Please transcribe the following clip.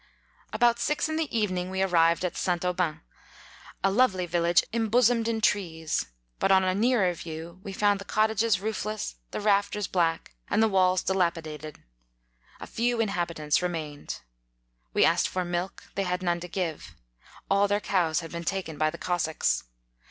About six in the evening we arrived at St. Aubin, a lovely village embosomed in trees ; but on a nearer view we found the cottages roofless, the rafters black, and the walls dilapidated ;— a few inhabitants re mained. We asked for milk — they had none to give ; all their cows had been taken by the Cossacs.